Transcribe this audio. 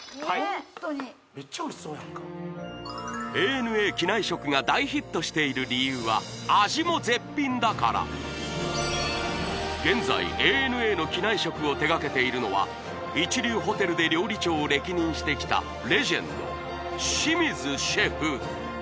ホントにめっちゃおいしそうやんかＡＮＡ機内食が大ヒットしている理由は味も絶品だから現在ＡＮＡの機内食を手掛けているのは一流ホテルで料理長を歴任してきたレジェンド清水シェフ